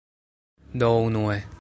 Do, unue